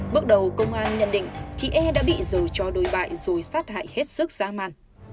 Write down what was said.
bước đầu công an nhận định chị e đã bị dầu cho đối bại rồi sát hại hết sức giá màn